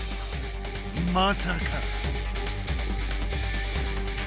まさか。